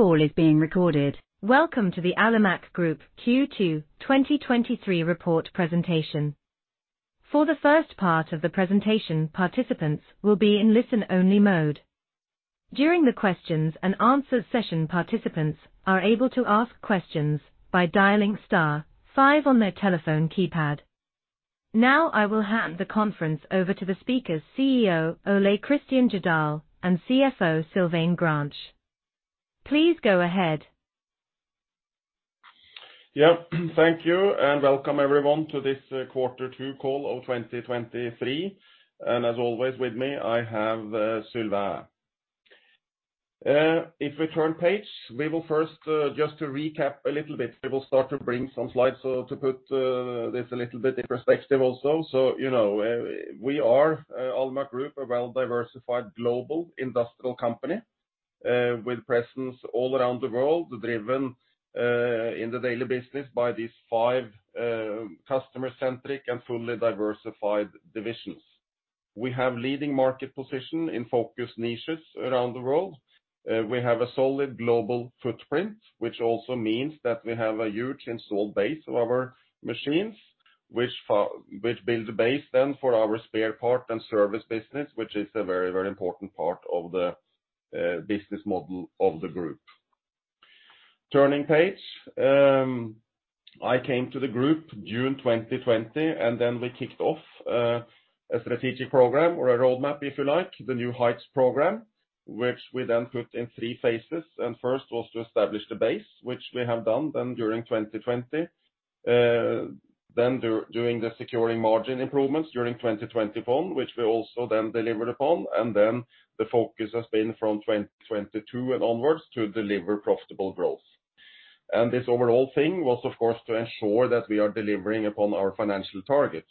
This call is being recorded. Welcome to the Alimak Group Q2 2023 Report Presentation. For the first part of the presentation, participants will be in listen-only mode. During the questions and answers session, participants are able to ask questions by dialing star five on their telephone keypad. I will hand the conference over to the speakers, CEO Ole Kristian Jødahl, and CFO Sylvain Grange. Please go ahead. Yeah, thank you, welcome everyone to this quarter two call of 2023. As always, with me, I have Sylvain. If we turn page, we will first just to recap a little bit, we will start to bring some slides, to put this a little bit in perspective also. You know, we are Alimak Group, a well-diversified global industrial company, with presence all around the world, driven in the daily business by these five customer-centric and fully diversified divisions. We have leading market position in focus niches around the world. We have a solid global footprint, which also means that we have a huge installed base of our machines, which build the base then for our spare part and service business, which is a very, very important part of the business model of the group. Turning page. I came to the group June 2020, then we kicked off a strategic program or a roadmap, if you like, the New Heights program, which we then put in three phases. First was to establish the base, which we have done then during 2020. Then doing the securing margin improvements during 2021, which we also then delivered upon, and then the focus has been from 2022 and onwards to deliver profitable growth. This overall thing was, of course, to ensure that we are delivering upon our financial targets.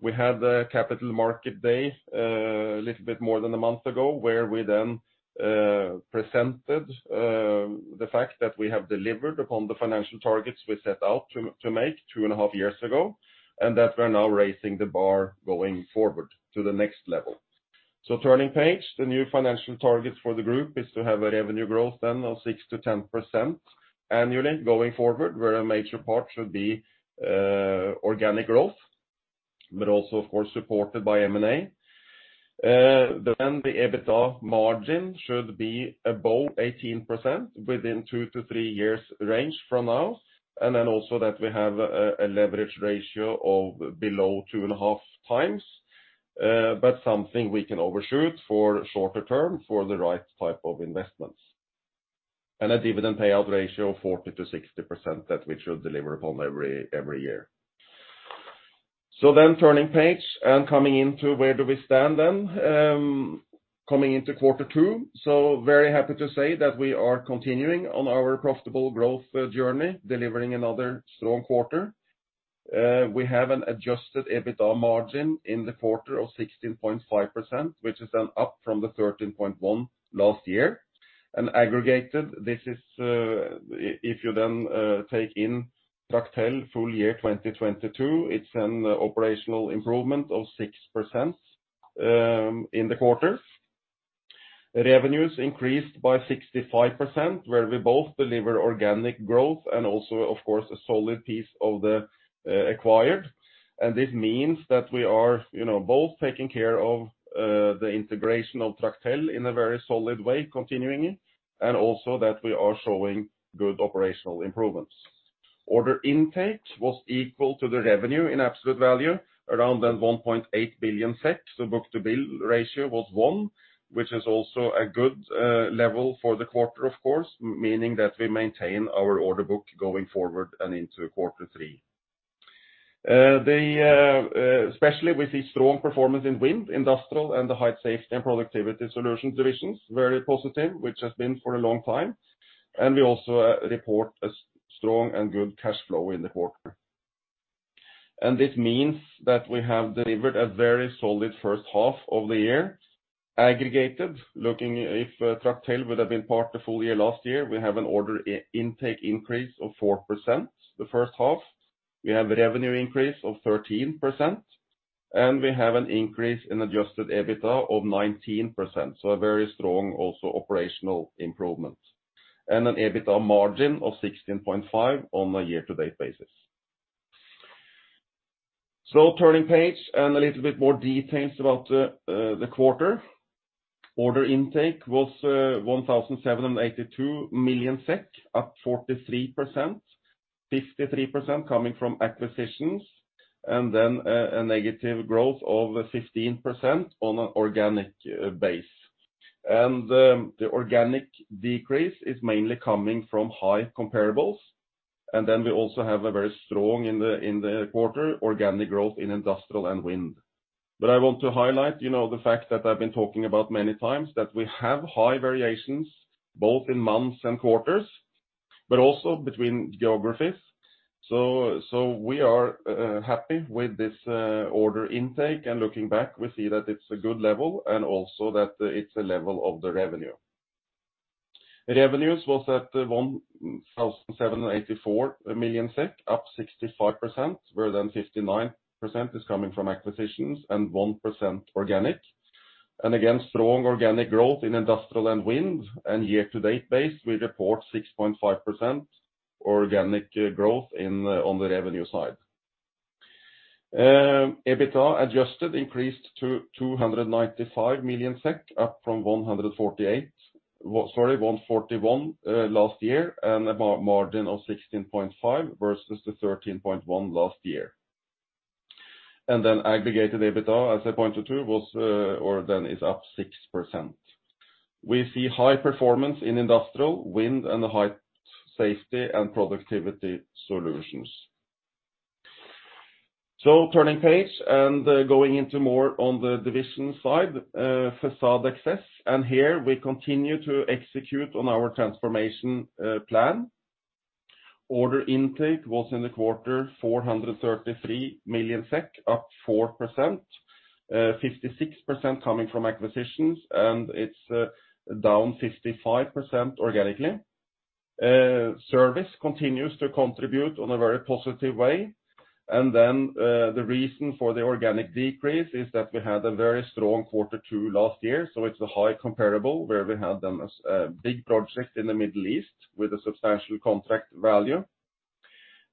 We had a capital market day a little bit more than a month ago, where we then presented the fact that we have delivered upon the financial targets we set out to make two and a half years ago, and that we're now raising the bar going forward to the next level. Turning page, the new financial targets for the group is to have a revenue growth then of 6%-10% annually going forward, where a major part should be organic growth, but also, of course, supported by M&A. The EBITDA margin should be above 18% within 2-3 years range from now, and also that we have a leverage ratio of below two and a half times, but something we can overshoot for shorter term for the right type of investments. A dividend payout ratio of 40%-60% that we should deliver upon every year. Turning page and coming into where do we stand then, coming into Q2. Very happy to say that we are continuing on our profitable growth journey, delivering another strong quarter. We have an Adjusted EBITDA margin in the quarter of 16.5%, which is then up from the 13.1% last year. Aggregated, this is, if you then take in Tractel full year 2022, it's an operational improvement of 6% in the quarter. Revenues increased by 65%, where we both deliver organic growth and also, of course, a solid piece of the acquired. This means that we are, you know, both taking care of the integration of Tractel in a very solid way, continuing it, and also that we are showing good operational improvements. Order intake was equal to the revenue in absolute value, around 1.8 billion. book-to-bill ratio was 1, which is also a good level for the quarter, of course, meaning that we maintain our order book going forward and into quarter three. Especially, we see strong performance in Wind, Industrial, and the Height Safety & Productivity Solutions divisions, very positive, which has been for a long time. We also report a strong and good cash flow in the quarter. This means that we have delivered a very solid first half of the year. Aggregated, looking if Tractel would have been part of the full year last year, we have an order intake increase of 4% the first half. We have a revenue increase of 13%. We have an increase in Adjusted EBITDA of 19%, a very strong also operational improvement, and an EBITDA margin of 16.5% on a year-to-date basis. Turning page, a little bit more details about the quarter. Order intake was 1,782 million SEK, up 43%, 53% coming from acquisitions, a negative growth of 15% on an organic base. The organic decrease is mainly coming from high comparables, we also have a very strong in the quarter, organic growth in Industrial and Wind. I want to highlight, you know, the fact that I've been talking about many times, that we have high variations, both in months and quarters, but also between geographies. We are happy with this order intake, and looking back, we see that it's a good level and also that it's a level of the revenue. Revenues was at 1,784 million SEK, up 65%, where then 59% is coming from acquisitions and 1% organic. And again, strong organic growth in Industrial and Wind. Year-to-date base, we report 6.5% organic growth on the revenue side. EBITDA adjusted increased to 295 million SEK, up from 148, sorry, 141 last year, and a margin of 16.5% versus the 13.1% last year. Aggregated EBITDA, as I pointed to, was up 6%. We see high performance in Industrial, Wind, and the Height Safety & Productivity Solutions. Turning page and going into more on the division side, Facade Access, and here we continue to execute on our transformation plan. Order intake was in the quarter, 433 million SEK, up 4%, 56% coming from acquisitions, and it's down 55% organically. Service continues to contribute on a very positive way. The reason for the organic decrease is that we had a very strong quarter two last year, so it's a high comparable, where we had then a big project in the Middle East with a substantial contract value.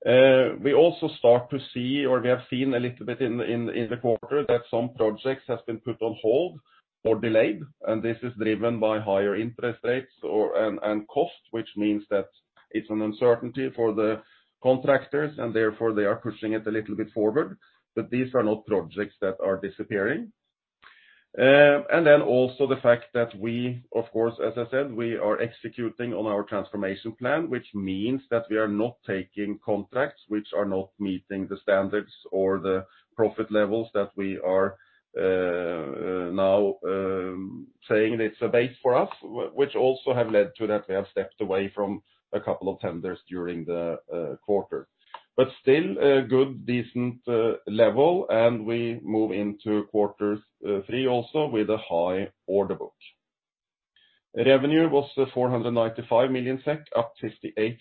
We also start to see, or we have seen a little bit in the quarter, that some projects have been put on hold or delayed, and this is driven by higher interest rates or and cost, which means that it's an uncertainty for the contractors, they are pushing it a little bit forward. These are not projects that are disappearing. Also the fact that we, of course, as I said, we are executing on our transformation plan, which means that we are not taking contracts which are not meeting the standards or the profit levels that we are now saying it's a base for us, which also have led to that we have stepped away from a couple of tenders during the quarter. Still, a good, decent level, and we move into quarters three also with a high order book. Revenue was 495 million SEK, up 58%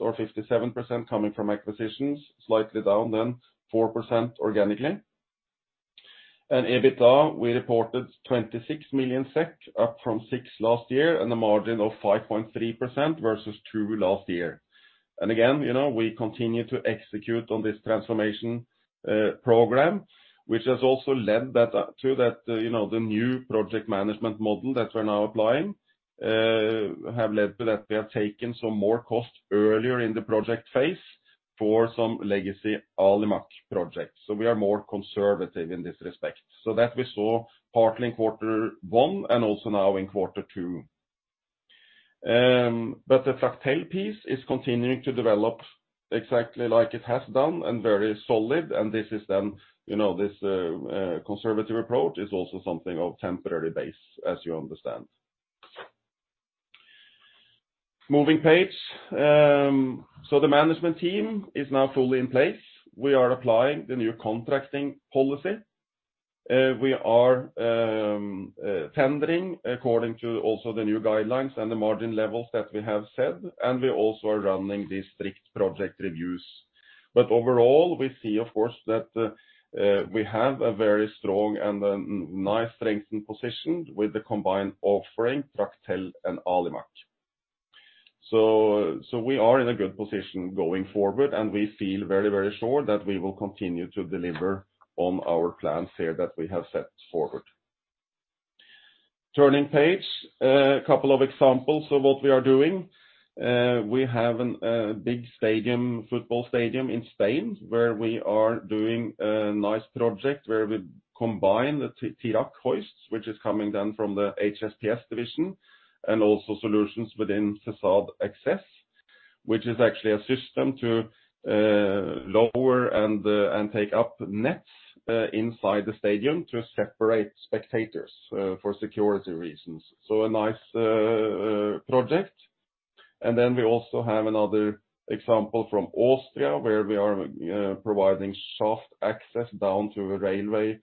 or 57% coming from acquisitions, slightly down then 4% organically. EBITDA, we reported 26 million SEK, up from 6 million last year, and a margin of 5.3% versus 2% last year. Again, you know, we continue to execute on this transformation program, which has also led to that, you know, the new project management model that we're now applying, have led to that we have taken some more costs earlier in the project phase for some legacy Alimak projects. We are more conservative in this respect. That we saw partly in quarter 1 and also now in quarter 2. The Tractel piece is continuing to develop exactly like it has done and very solid, and this is then, you know, this conservative approach is also something of temporary base, as you understand. Moving page. The management team is now fully in place. We are applying the new contracting policy. We are tendering according to also the new guidelines and the margin levels that we have said, and we also are running these strict project reviews. Overall, we see, of course, that we have a very strong and nice strengthened position with the combined offering, Tractel and Alimak. We are in a good position going forward, and we feel very, very sure that we will continue to deliver on our plans here that we have set forward. Turning page, a couple of examples of what we are doing. We have a big stadium, football stadium in Spain, where we are doing a nice project where we combine the T-TRAC hoists, which is coming down from the HSPS division, and also solutions within Facade Access, which is actually a system to lower and take up nets inside the stadium to separate spectators for security reasons. A nice project. We also have another example from Austria, where we are providing shaft access down to a railway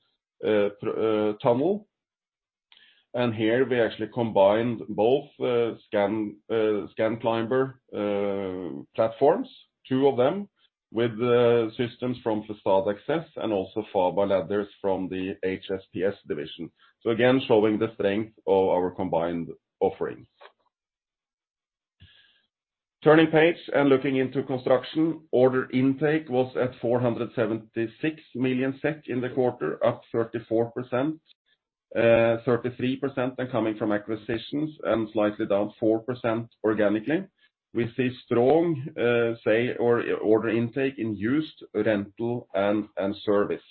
tunnel. Here, we actually combined both Scanclimber platforms, two of them, with the systems from Facade Access and also fiber ladders from the HSPS division. Again, showing the strength of our combined offerings. Turning page, looking into construction, order intake was at 476 million SEK in the quarter, up 34%, 33% coming from acquisitions and slightly down 4% organically. We see strong order intake in used, rental, and service.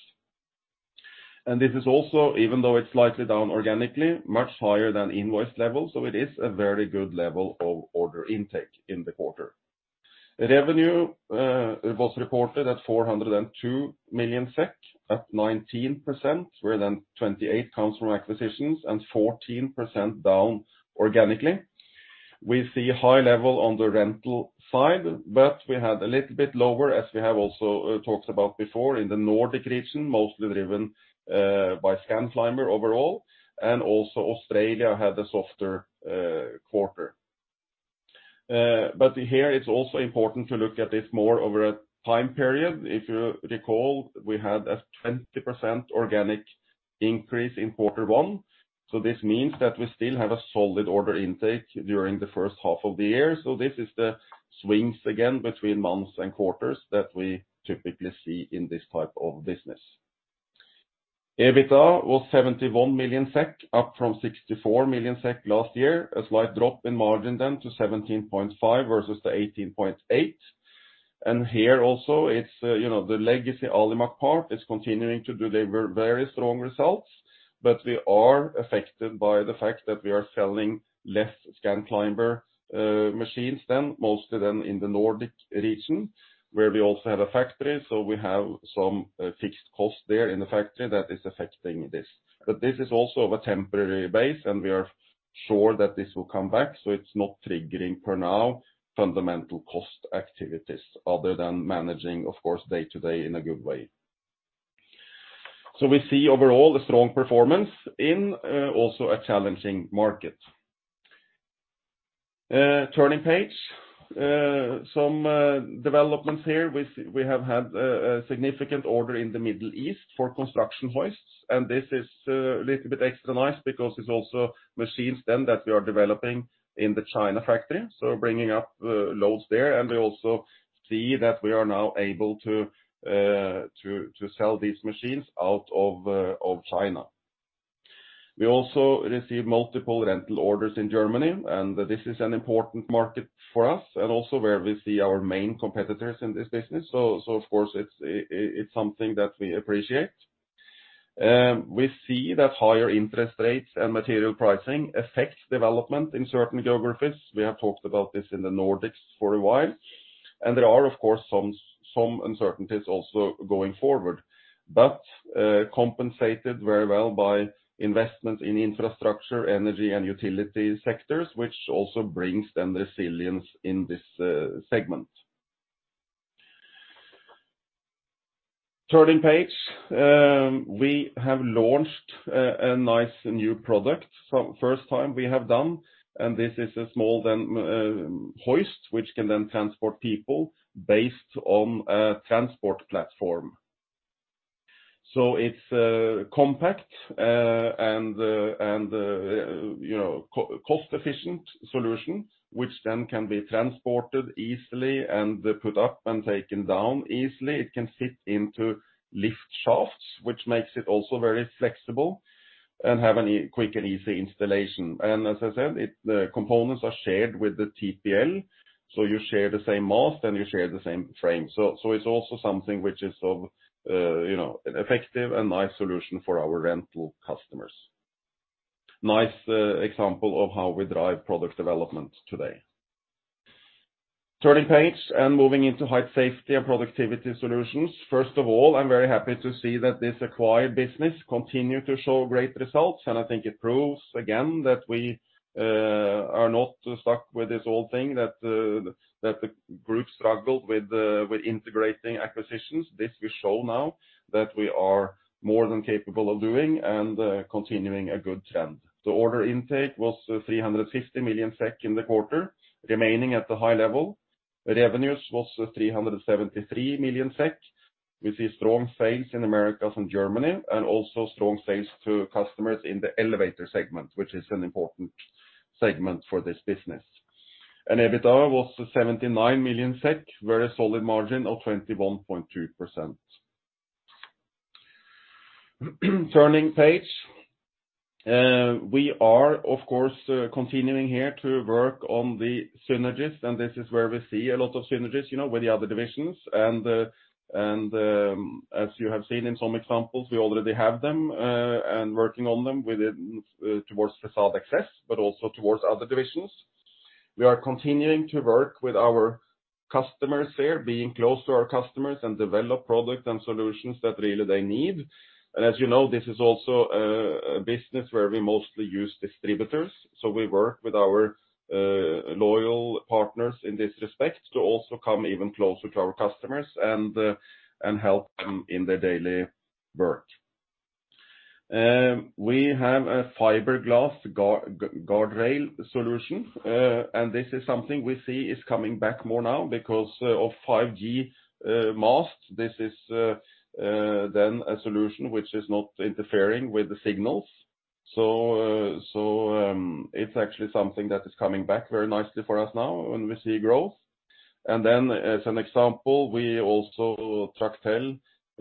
This is also, even though it's slightly down organically, much higher than invoice level, it is a very good level of order intake in the quarter. Revenue was reported at 402 million SEK, up 19%, where 28% comes from acquisitions and 14% down organically. We see high level on the rental side, we had a little bit lower, as we have also talked about before, in the Nordic region, mostly driven by Scanclimber overall, and also Australia had a softer quarter. Here it's also important to look at this more over a time period. If you recall, we had a 20% organic increase in quarter one, this means that we still have a solid order intake during the first half of the year. This is the swings again between months and quarters that we typically see in this type of business. EBITDA was 71 million SEK, up from 64 million SEK last year. A slight drop in margin to 17.5% versus the 18.8%. Here also, it's, you know, the legacy Alimak part is continuing to deliver very strong results, we are affected by the fact that we are selling less Scanclimber machines than most of them in the Nordic region, where we also have a factory. We have some fixed costs there in the factory that is affecting this. This is also of a temporary base, and we are sure that this will come back, so it's not triggering for now fundamental cost activities other than managing, of course, day-to-day in a good way. We see overall a strong performance in also a challenging market. Turning page. Some developments here. We have had a significant order in the Middle East for construction hoists, and this is little bit extra nice because it's also machines then that we are developing in the China factory, so bringing up the loads there. We also see that we are now able to sell these machines out of China. We also received multiple rental orders in Germany, and this is an important market for us and also where we see our main competitors in this business. Of course, it's something that we appreciate. We see that higher interest rates and material pricing affects development in certain geographies. We have talked about this in the Nordics for a while, and there are, of course, some uncertainties also going forward, but compensated very well by investment in infrastructure, energy, and utility sectors, which also brings then resilience in this segment. Turning page. We have launched a nice new product, so first time we have done, and this is a small then hoist, which can then transport people based on a transport platform. It's a compact, and, you know, cost-efficient solution, which then can be transported easily and put up and taken down easily. It can fit into lift shafts, which makes it also very flexible and have a quick and easy installation. As I said, the components are shared with the TPL, so you share the same mast, and you share the same frame. It's also something which is of, you know, an effective and nice solution for our rental customers. Nice example of how we drive product development today. Turning page and moving into Height Safety & Productivity Solutions. First of all, I'm very happy to see that this acquired business continue to show great results, and I think it proves again that we are not stuck with this old thing, that the group struggled with integrating acquisitions. This we show now that we are more than capable of doing and continuing a good trend. The order intake was 350 million SEK in the quarter, remaining at the high level. Revenues was 373 million SEK, with a strong sales in Americas and Germany, and also strong sales to customers in the Elevator segment, which is an important segment for this business. EBITDA was 79 million SEK, very solid margin of 21.2%. Turning page. We are, of course, continuing here to work on the synergies, and this is where we see a lot of synergies, you know, with the other divisions. As you have seen in some examples, we already have them, and working on them with towards Facade Access, but also towards other divisions. We are continuing to work with our customers there, being close to our customers and develop products and solutions that really they need. As you know, this is also a business where we mostly use distributors, so we work with our loyal partners in this respect to also come even closer to our customers and help them in their daily work. We have a fiberglass guardrail solution, and this is something we see is coming back more now because of 5G masts. This is then a solution which is not interfering with the signals. It's actually something that is coming back very nicely for us now, and we see growth. As an example, we also Tractel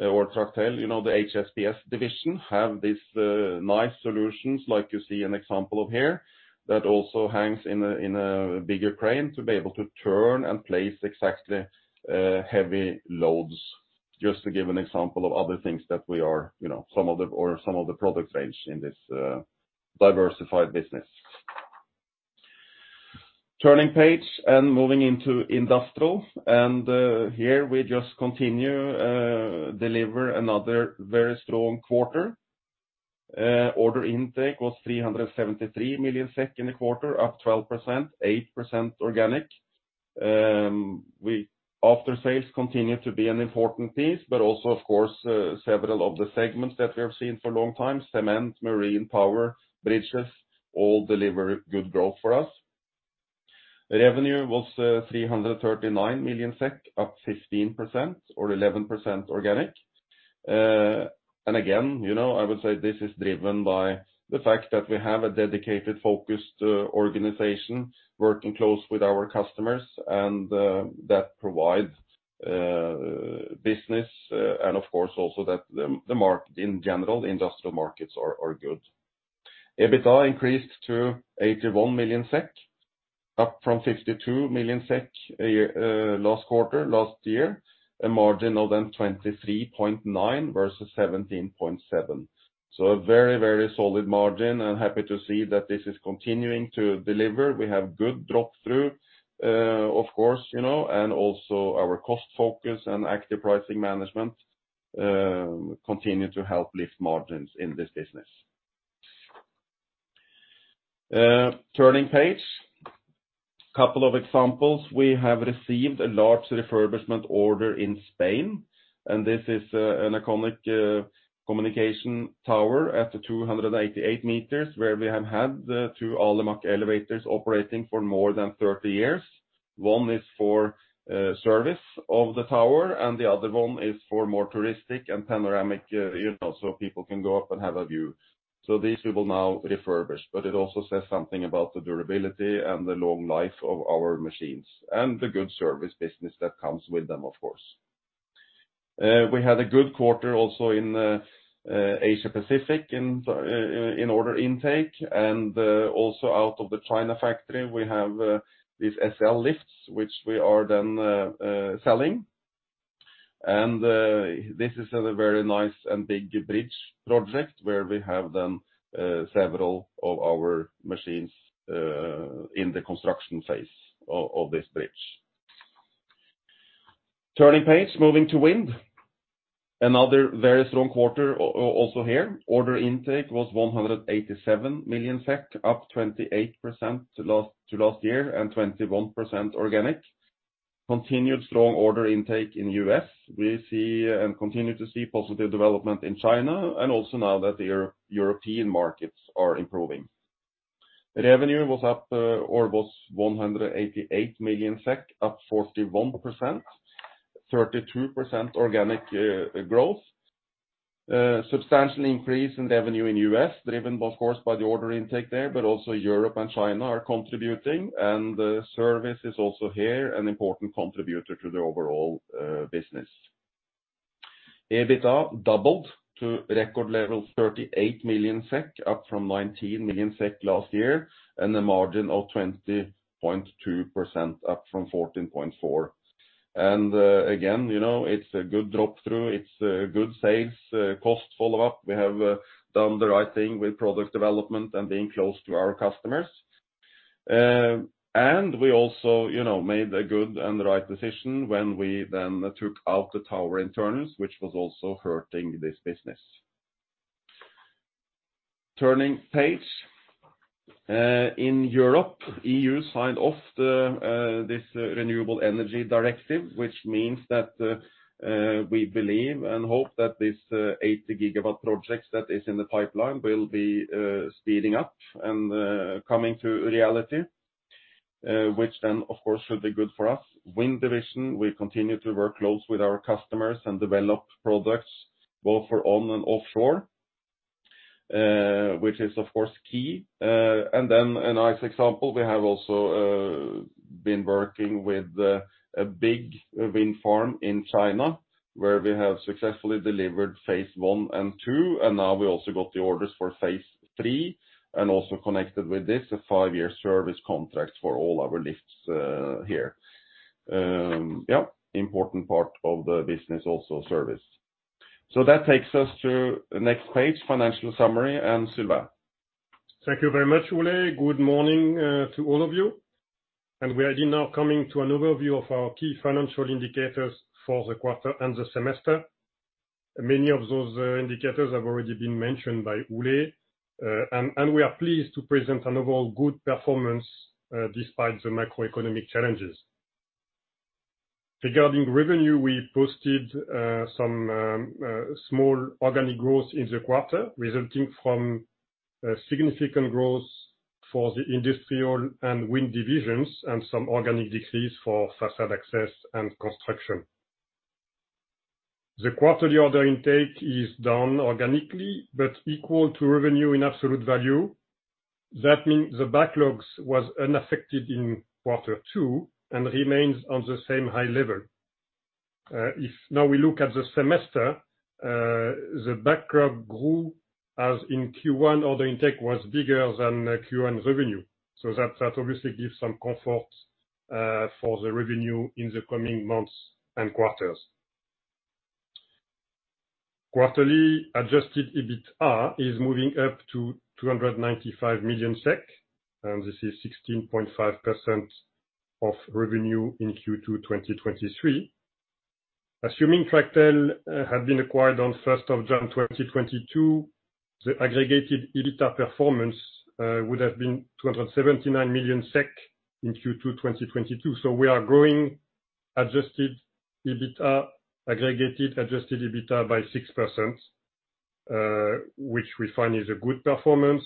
or Tractel, you know, the HSPS division, have these nice solutions like you see an example of here, that also hangs in a bigger crane to be able to turn and place exactly heavy loads, just to give an example of other things that we are, you know, some of the product range in this diversified business. Turning page and moving into Industrial, here, we just continue deliver another very strong quarter. Order intake was 373 million SEK in the quarter, up 12%, 8% organic. We, after sales continued to be an important piece, but also, of course, several of the segments that we have seen for a long time, cement, marine, power, bridges, all deliver good growth for us. Revenue was 339 million SEK, up 15% or 11% organic. Again, you know, I would say this is driven by the fact that we have a dedicated, focused, organization working close with our customers, and that provides business, and of course, also that the market in general, the Industrial markets are good. EBITDA increased to 81 million SEK, up from 52 million SEK, a year, last quarter, last year, a margin of then 23.9% versus 17.7%. A very solid margin, and happy to see that this is continuing to deliver. We have good drop through, of course, you know, and also our cost focus and active pricing management continue to help lift margins in this business. Turning page. Couple of examples, we have received a large refurbishment order in Spain, and this is an iconic communication tower at 288 meters, where we have had the two Alimak elevators operating for more than 30 years. One is for service of the tower, and the other one is for more touristic and panoramic, you know, so people can go up and have a view. These we will now refurbish, but it also says something about the durability and the long life of our machines, and the good service business that comes with them, of course. We had a good quarter also in Asia Pacific, in order intake, and also out of the China factory, we have these Alimak SL lifts, which we are then selling. This is a very nice and big bridge project where we have then several of our machines in the construction phase of this bridge. Turning page, moving to Wind. Another very strong quarter also here. Order intake was 187 million SEK, up 28% to last year, and 21% organic. Continued strong order intake in U.S. We see and continue to see positive development in China, also now that the European markets are improving. Revenue was up, or was 188 million SEK, up 41%, 32% organic growth. Substantially increase in revenue in U.S., driven, of course, by the order intake there, but also Europe and China are contributing, and the service is also here, an important contributor to the overall business. EBITDA doubled to record level 38 million SEK, up from 19 million SEK last year, and a margin of 20.2%, up from 14.4%. Again, you know, it's a good drop through, it's a good sales, cost follow-up. We have done the right thing with product development and being close to our customers. We also, you know, made a good and the right decision when we then took out the tower internals, which was also hurting this business. Turning page. In Europe, E.U. signed off the Renewable Energy Directive, which means that we believe and hope that this 80 gigawatt projects that is in the pipeline will be speeding up and coming to reality, which then, of course, should be good for us. Wind division, we continue to work close with our customers and develop products both for on and offshore, which is, of course, key. A nice example, we have also been working with a big wind farm in China, where we have successfully delivered phase I and II, and now we also got the orders for phase III, and also connected with this, a five-year service contract for all our lifts here. Yep, important part of the business, also service. That takes us to the next page, financial summary, and Sylvain. Thank you very much, Ole. Good morning to all of you. We are now coming to an overview of our key financial indicators for the quarter and the semester. Many of those indicators have already been mentioned by Ole, and we are pleased to present an overall good performance despite the macroeconomic challenges. Regarding revenue, we posted some small organic growth in the quarter, resulting from significant growth for the Industrial and Wind divisions and some organic decrease for Facade Access and construction. The quarterly order intake is down organically, but equal to revenue in absolute value. That means the backlogs was unaffected in quarter two and remains on the same high level. If now we look at the semester, the backlog grew, as in Q1 order intake was bigger than Q1 revenue, that obviously gives some comfort for the revenue in the coming months and quarters. Quarterly Adjusted EBITDA is moving up to 295 million SEK, and this is 16.5% of revenue in Q2 2023. Assuming Tractel had been acquired on the 1st of January 2022, the aggregated EBITDA performance would have been 279 million SEK in Q2 2022. We are growing Adjusted EBITDA, aggregated Adjusted EBITDA by 6%, which we find is a good performance,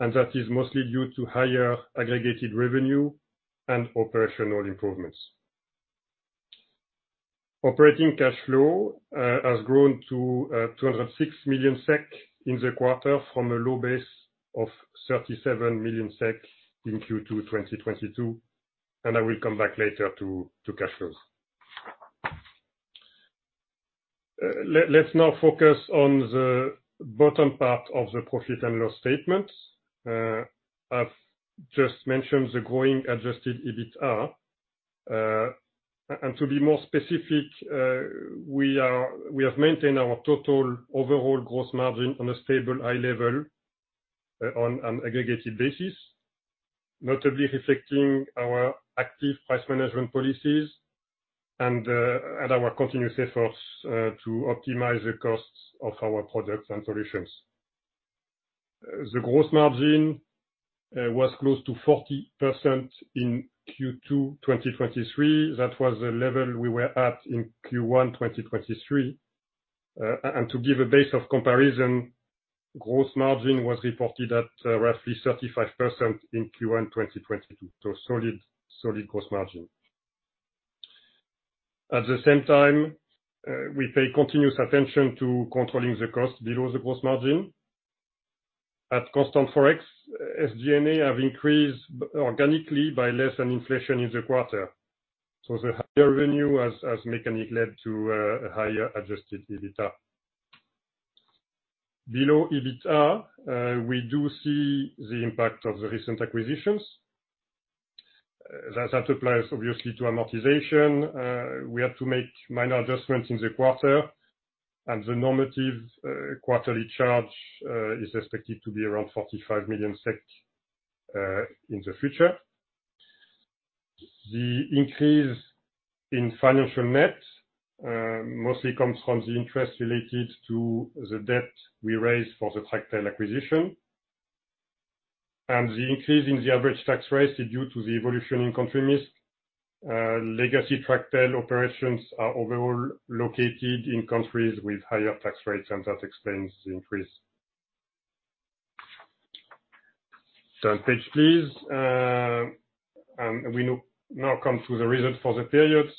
and that is mostly due to higher aggregated revenue and operational improvements. Operating cash flow has grown to 206 million SEK in the quarter, from a low base of 37 million SEK in Q2 2022, and I will come back later to cash flows. Let's now focus on the bottom part of the profit and loss statement. I've just mentioned the growing Adjusted EBITDA. To be more specific, we have maintained our total overall gross margin on a stable, high level, on an aggregated basis, notably reflecting our active price management policies and our continuous efforts to optimize the costs of our products and solutions. The gross margin was close to 40% in Q2 2023. That was the level we were at in Q1 2023. To give a base of comparison, gross margin was reported at roughly 35% in Q1 2022. Solid gross margin. At the same time, we pay continuous attention to controlling the cost below the gross margin. At constant Forex, SG&A have increased organically by less than inflation in the quarter, so the higher revenue has led to a higher Adjusted EBITDA. Below EBITDA, we do see the impact of the recent acquisitions. That applies obviously to amortization. We had to make minor adjustments in the quarter, and the normative quarterly charge is expected to be around 45 million SEK in the future. The increase in financial net mostly comes from the interest related to the debt we raised for the Tractel acquisition. The increase in the average tax rate is due to the evolution in country mix. Legacy Tractel operations are overall located in countries with higher tax rates, and that explains the increase. Turn page, please. We now come to the result for the periods,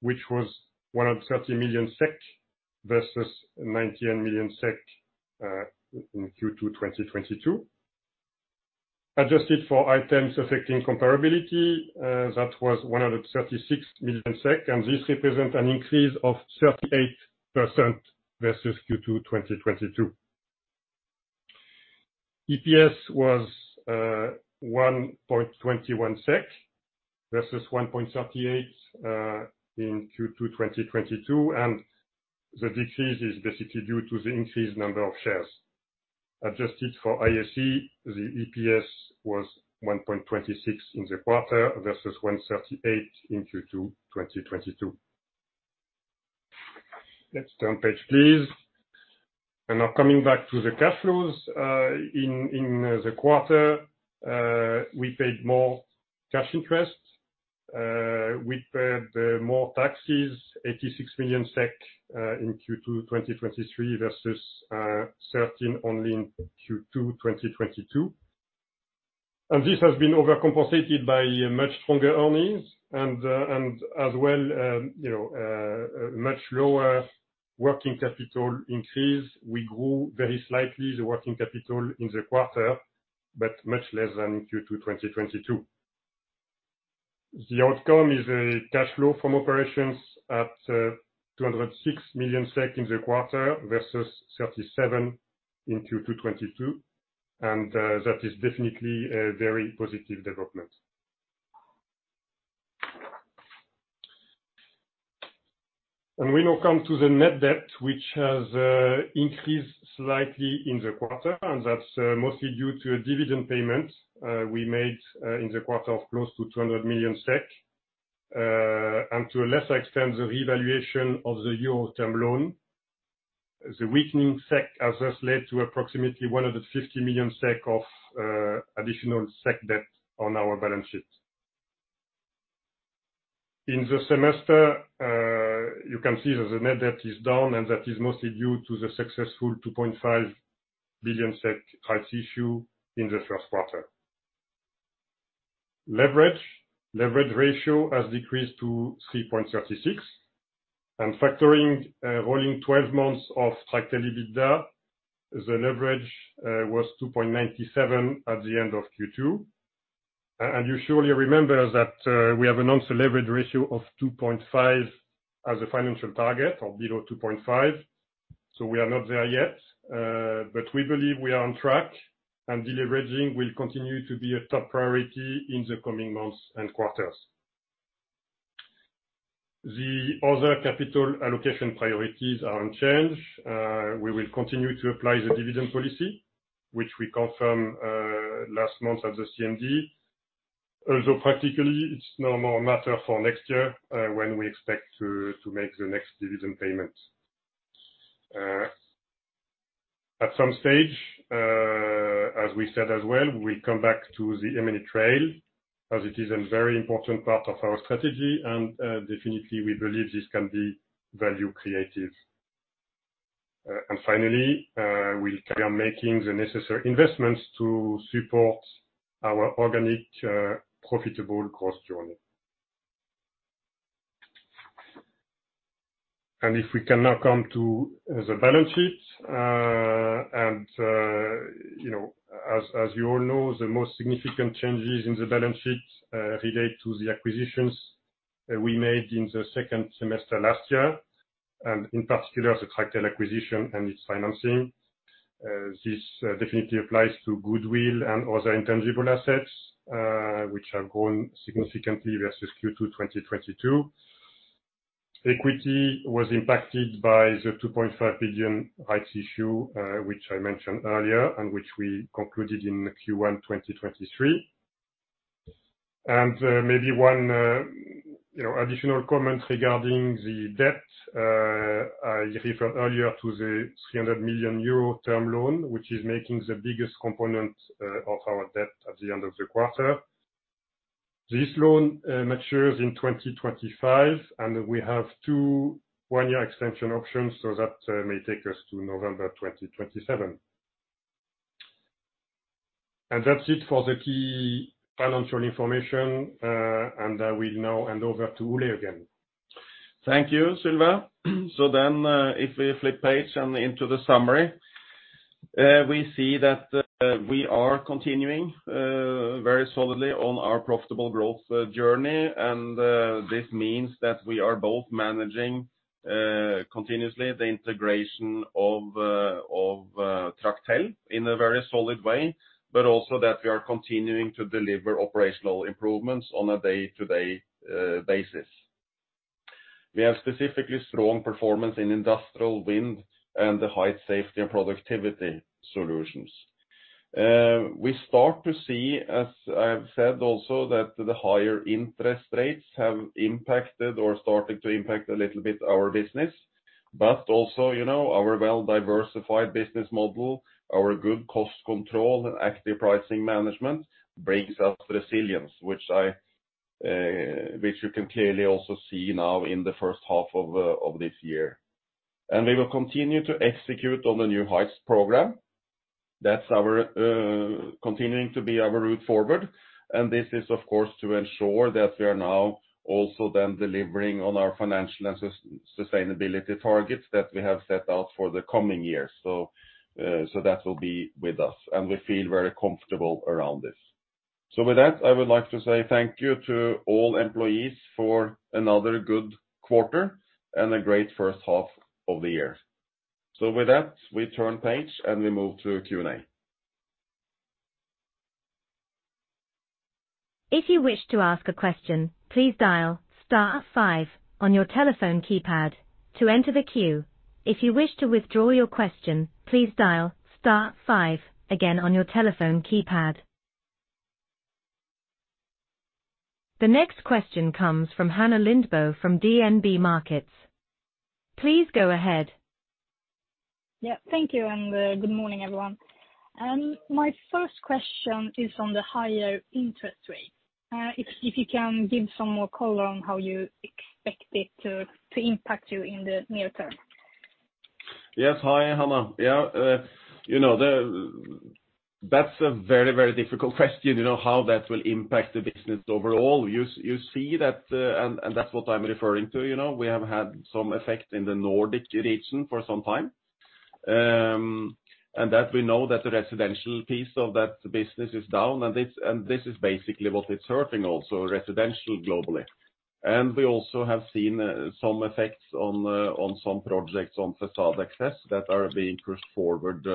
which was 130 million SEK, versus 91 million SEK in Q2 2022. Adjusted for items affecting comparability, that was 136 million SEK, and this represent an increase of 38% versus Q2 2022. EPS was 1.21 SEK, versus 1.38 in Q2 2022, and the decrease is basically due to the increased number of shares. Adjusted for ISE, the EPS was 1.26 in the quarter, versus 1.38 in Q2 2022. Let's turn page, please. Now, coming back to the cash flows, in the quarter, we paid more cash interest. We paid more taxes, 86 million SEK, in Q2 2023, versus 13 only in Q2 2022. This has been overcompensated by much stronger earnings, and as well, you know, much lower working capital increase. We grew very slightly, the working capital in the quarter, but much less than in Q2 2022. The outcome is a cash flow from operations at 206 million SEK in the quarter, versus 37 in Q2 2022, and that is definitely a very positive development. We now come to the net debt, which has increased slightly in the quarter, and that's mostly due to a dividend payment we made in the quarter of close to 200 million SEK. To a lesser extent, the revaluation of the EUR term loan. The weakening SEK has just led to approximately 150 million SEK of additional SEK debt on our balance sheet. In the semester, you can see that the net debt is down, and that is mostly due to the successful 2.5 billion SEK rights issue in the first quarter. Leverage ratio has decreased to 3.36, and factoring rolling 12 months of Tractel EBITDA, the leverage was 2.97 at the end of Q2. You surely remember that we have a non-leveraged ratio of 2.5 as a financial target, or below 2.5. We are not there yet. We believe we are on track. Deleveraging will continue to be a top priority in the coming months and quarters. The other capital allocation priorities are unchanged. We will continue to apply the dividend policy, which we confirm last month at the CMD. Also practically, it's no more a matter for next year, when we expect to make the next dividend payment. At some stage, as we said as well, we come back to the M&A trail, as it is a very important part of our strategy, and definitely we believe this can be value creative. Finally, we carry on making the necessary investments to support our organic, profitable cost journey. If we can now come to the balance sheet. As you all know, the most significant changes in the balance sheet relate to the acquisitions we made in the second semester last year, and in particular, the Tractel acquisition and its financing. This definitely applies to goodwill and other intangible assets, which have grown significantly versus Q2 2022. Equity was impacted by the 2.5 billion rights issue, which I mentioned earlier, and which we concluded in Q1 2023. Maybe one, you know, additional comment regarding the debt, I referred earlier to the 300 million euro term loan, which is making the biggest component of our debt at the end of the quarter. This loan matures in 2025, and we have two one-year extension options, so that may take us to November 2027. That's it for the key financial information, and I will now hand over to Ole again. Thank you, Sylvain. If we flip page and into the summary, we see that we are continuing very solidly on our profitable growth journey. This means that we are both managing continuously the integration of Tractel in a very solid way, but also that we are continuing to deliver operational improvements on a day-to-day basis. We have specifically strong performance in Industrial, Wind and the Height Safety & Productivity Solutions. We start to see, as I have said also, that the higher interest rates have impacted or started to impact a little bit our business, but also, you know, our well-diversified business model, our good cost control and active pricing management brings us resilience, which I, which you can clearly also see now in the first half of this year. We will continue to execute on the New Heights program. That's our continuing to be our route forward, and this is, of course, to ensure that we are now also then delivering on our financial and sustainability targets that we have set out for the coming years. That will be with us, and we feel very comfortable around this. With that, I would like to say thank you to all employees for another good quarter and a great first half of the year. With that, we turn page, and we move to Q&A. If you wish to ask a question, please dial star five on your telephone keypad to enter the queue. If you wish to withdraw your question, please dial star five again on your telephone keypad. The next question comes from Hanna Lindbo, from DNB Markets. Please go ahead. Yeah. Thank you. Good morning, everyone. My first question is on the higher interest rate. If you can give some more color on how you expect it to impact you in the near term? Yes. Hi, Hanna. Yeah, you know, that's a very, very difficult question, you know, how that will impact the business overall. You see that. That's what I'm referring to, you know, we have had some effect in the Nordic region for some time. That we know that the residential piece of that business is down, and this is basically what it's serving also, residential, globally. We also have seen some effects on some projects on Facade Access that are being pushed forward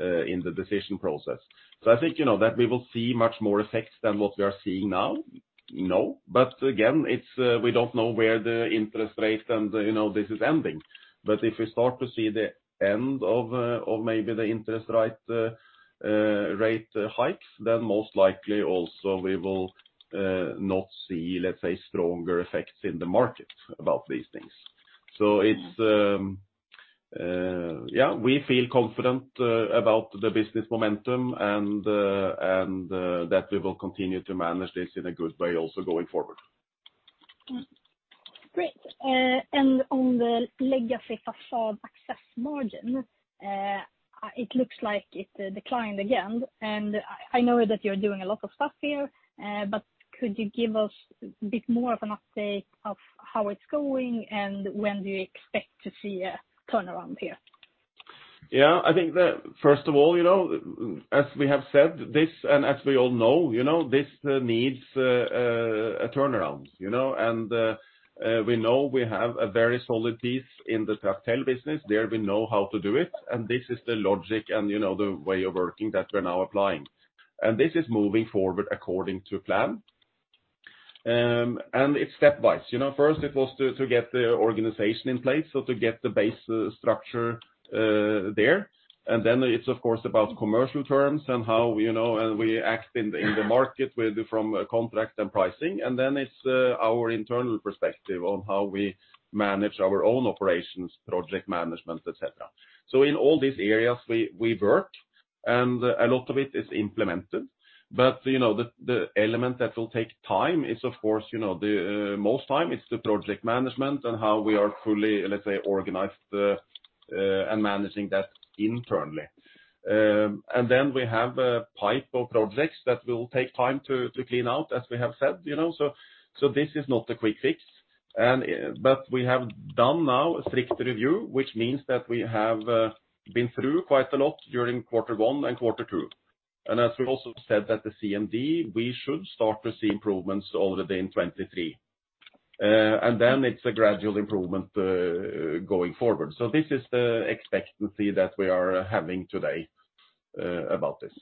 in the decision process. I think, you know, that we will see much more effects than what we are seeing now, no? Again, it's, we don't know where the interest rates and, you know, this is ending. If we start to see the end of maybe the interest rate hikes, then most likely also we will not see, let's say, stronger effects in the market about these things. Yeah, we feel confident about the business momentum, and that we will continue to manage this in a good way also going forward. Great. On the Tractel Facade Access margin, it looks like it declined again. I know that you're doing a lot of stuff here, but could you give us a bit more of an update of how it's going, and when do you expect to see a turnaround here? Yeah. I think First of all, you know, as we have said this, and as we all know, you know, this needs a turnaround, you know? We know we have a very solid piece in the Tractel business. There, we know how to do it, and this is the logic and, you know, the way of working that we're now applying. This is moving forward according to plan. It's step by step, you know, first it was to get the organization in place, so to get the base structure there. Then it's of course, about commercial terms and how, you know, and we act in the market with from a contract and pricing. Then it's our internal perspective on how we manage our own operations, project management, et cetera. In all these areas, we work, and a lot of it is implemented. You know, the element that will take time is, of course, you know, the most time it's the project management and how we are fully, let's say, organized and managing that internally. Then we have a pipe of projects that will take time to clean out, as we have said, you know, so this is not a quick fix. But we have done now a strict review, which means that we have been through quite a lot during quarter one and quarter two. As we also said at the CMD, we should start to see improvements already in 2023. Then it's a gradual improvement going forward. This is the expectancy that we are having today about this.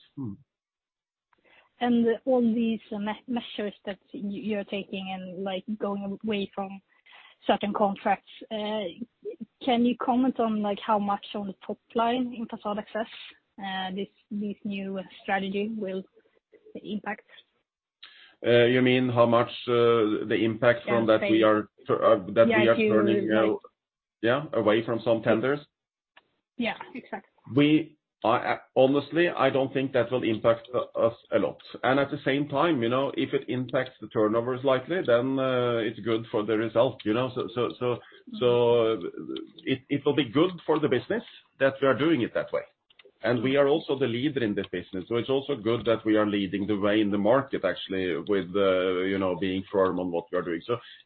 All these measures that you're taking and, like, going away from certain contracts, can you comment on, like, how much on the top line in Facade Access, this new strategy will impact? You mean how much, the impact from that? Yeah, same. That we are turning out- Yeah. Yeah, away from some tenders? Yeah, exactly. I honestly, I don't think that will impact us a lot. At the same time, you know, if it impacts the turnover slightly, then it's good for the result, you know? It'll be good for the business that we are doing it that way. We are also the leader in this business, so it's also good that we are leading the way in the market, actually, with, you know, being firm on what we are doing.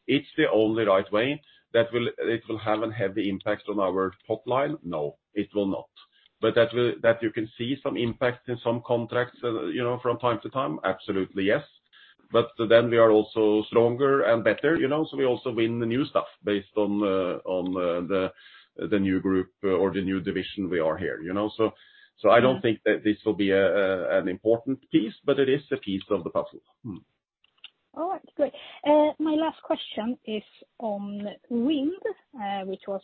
It's the only right way. It will have a heavy impact on our top line? No, it will not. That will, that you can see some impact in some contracts, you know, from time to time, absolutely, yes. We are also stronger and better, you know, so we also win the new stuff based on the new group or the new division we are here, you know. I don't think that this will be an important piece, but it is a piece of the puzzle. All right, great. My last question is on Wind, which was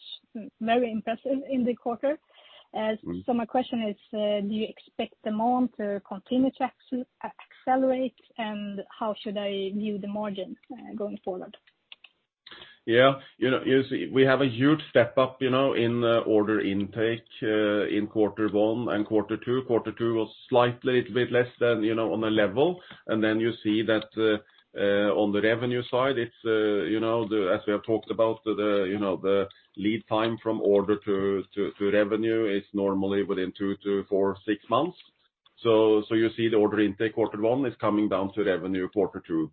very impressive in the quarter. Mm. My question is, do you expect demand to continue to accelerate, and how should I view the margin going forward? Yeah, you know, you see, we have a huge step up, you know, in order intake in quarter one and quarter two. Quarter two was slightly bit less than, you know, on a level, and then you see that on the revenue side, it's, you know, as we have talked about, the, you know, the lead time from order to revenue is normally within 2 to 4, 6 months. You see the order intake quarter one is coming down to revenue quarter two.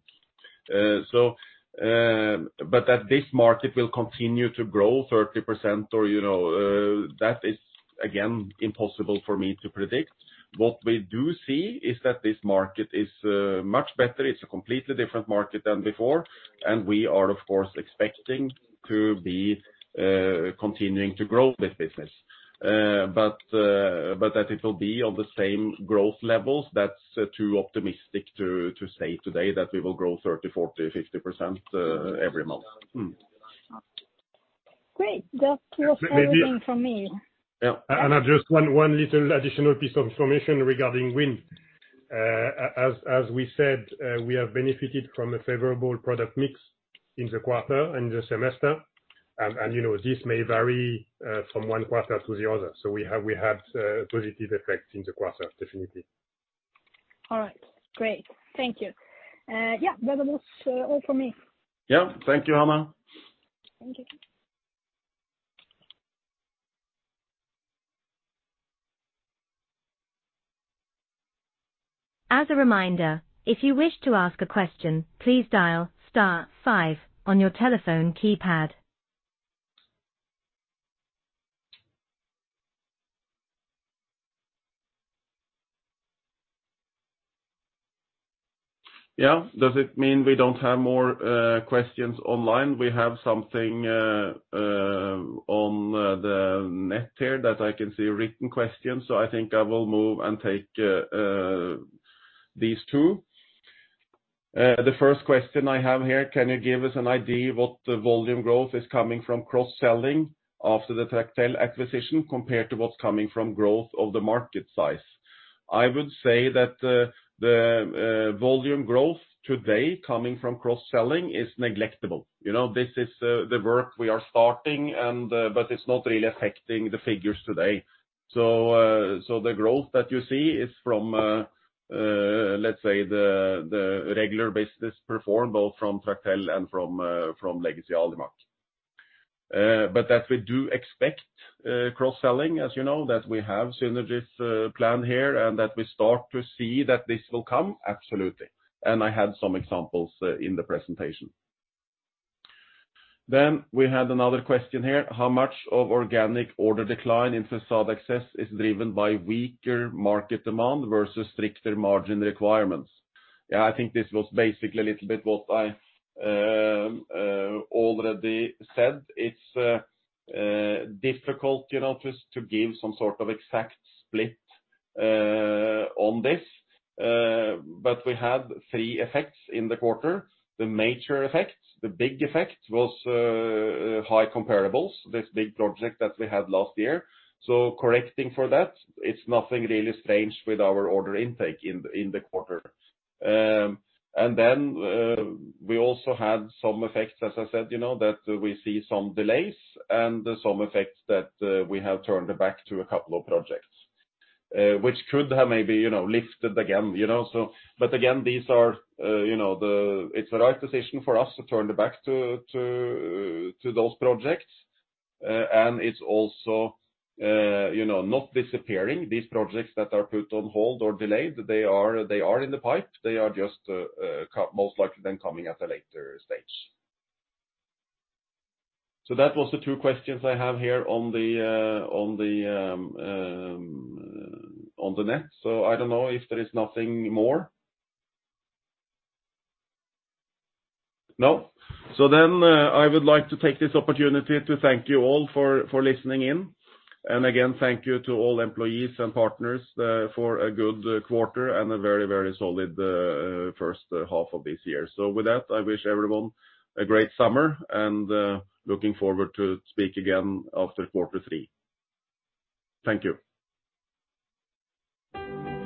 But that this market will continue to grow 30% or, you know, that is again, impossible for me to predict. What we do see is that this market is much better. It's a completely different market than before, and we are, of course, expecting to be continuing to grow this business. That it will be on the same growth levels, that's too optimistic to say today that we will grow 30%, 40%, 50% every month. Great. That was everything from me. Yeah. Just one little additional piece of information regarding wind. As we said, we have benefited from a favorable product mix in the quarter and the semester. You know, this may vary, from one quarter to the other. We have positive effects in the quarter, definitely. All right. Great. Thank you. Yeah, that was all for me. Yeah. Thank you, Hanna. Thank you. As a reminder, if you wish to ask a question, please dial star five on your telephone keypad. Yeah. Does it mean we don't have more questions online? We have something on the net here that I can see written questions. I think I will move and take these two. The first question I have here: Can you give us an idea what the volume growth is coming from cross-selling after the Tractel acquisition, compared to what's coming from growth of the market size? I would say that the volume growth today coming from cross-selling is neglectable. You know, this is the work we are starting and, but it's not really affecting the figures today. The growth that you see is from, let's say the regular business performed both from Tractel and from legacy Alimak. That we do expect cross-selling, as you know, that we have synergies planned here, and that we start to see that this will come, absolutely. I had some examples in the presentation. We had another question here: How much of organic order decline in Facade Access is driven by weaker market demand versus stricter margin requirements? I think this was basically a little bit what I already said. It's difficult, you know, just to give some sort of exact split on this, we have three effects in the quarter. The major effect, the big effect was high comparables, this big project that we had last year. Correcting for that, it's nothing really strange with our order intake in the quarter. We also had some effects, as I said, you know, that we see some delays and some effects that we have turned back to a couple of projects, which could have maybe, you know, lifted again, you know? Again, these are, you know, It's the right decision for us to turn the back to, to those projects. It's also, you know, not disappearing. These projects that are put on hold or delayed, they are, they are in the pipe, they are just, most likely than coming at a later stage. That was the two questions I have here on the, on the, on the net. I don't know if there is nothing more. No? I would like to take this opportunity to thank you all for listening in. Again, thank you to all employees and partners for a good quarter and a very solid first half of this year. With that, I wish everyone a great summer, and looking forward to speak again after quarter three. Thank you.